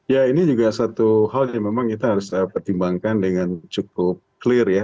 ya ini juga satu hal yang memang kita harus pertimbangkan dengan cukup clear ya